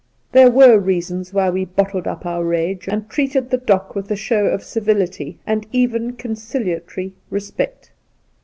There were reasons why we bottled up our rage and treated the Doc with a show of civUity, and even conciliatory respect.